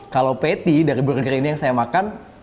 kalau patty dari burger ini yang saya makan